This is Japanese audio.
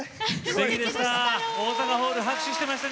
すてきでした。